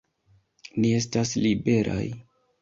Ni estas liberaj!